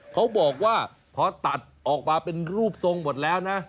เขาบอกว่าพอตัดออกมาเป็นรูปทรงหมดแล้วนะ